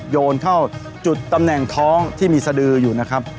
โยนเข้าจุดตำแหน่งท้องที่มีสดืออยู่นะครับ